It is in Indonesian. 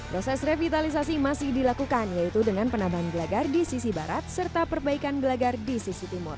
proses revitalisasi masih dilakukan yaitu dengan penambahan gelagar di sisi barat serta perbaikan gelagar di sisi timur